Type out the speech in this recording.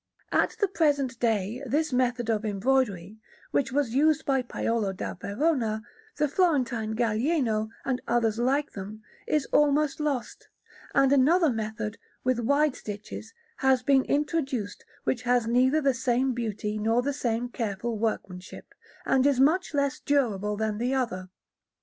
At the present day this method of embroidery, which was used by Paolo da Verona, the Florentine Galieno, and others like them, is almost lost, and another method, with wide stitches, has been introduced, which has neither the same beauty nor the same careful workmanship, and is much less durable than the other.